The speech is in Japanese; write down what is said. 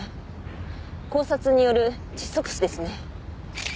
絞殺による窒息死ですね。